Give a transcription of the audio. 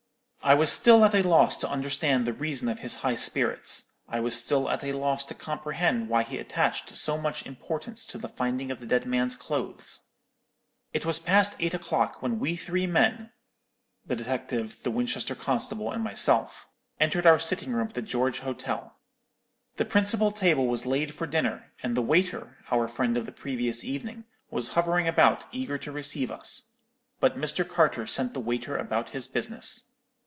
"I was still at a loss to understand the reason of his high spirits; I was still at a loss to comprehend why he attached so much importance to the finding of the dead man's clothes. "It was past eight o'clock when we three men—the detective, the Winchester constable, and myself—entered our sitting room at the George Hotel. The principal table was laid for dinner; and the waiter, our friend of the previous evening, was hovering about, eager to receive us. But Mr. Carter sent the waiter about his business.